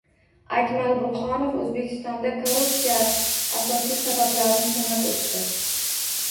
Akmal Burxonov O‘zbekistonda korrupsiya asosiy sabablarini sanab o‘tdi